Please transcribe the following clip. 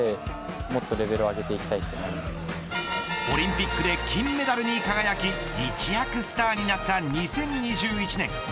オリンピックで金メダルに輝き一躍スターになった２０２１年。